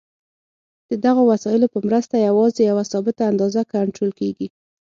د دغو وسایلو په مرسته یوازې یوه ثابته اندازه کنټرول کېږي.